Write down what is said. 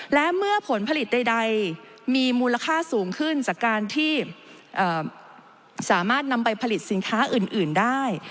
และเมื่อผลผลิตใดมีมูลค่าสูงขึ้นจากการที่สามารถนำไปผลิตสินค้าอื่นได้